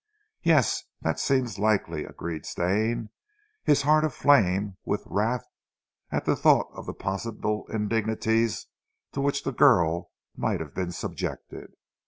"Yes! That seems likely," agreed Stane, his heart aflame with wrath at the thought of the possible indignities to which the girl might have been subjected.